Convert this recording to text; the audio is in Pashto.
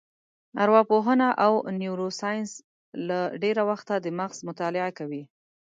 ارواپوهنه او نیورو ساینس له ډېره وخته د مغز مطالعه کوي.